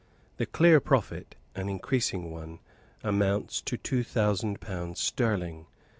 The clear profit, an increasing one, amounts to two thousand pounds sterling.